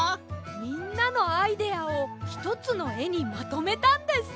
みんなのアイデアをひとつのえにまとめたんです。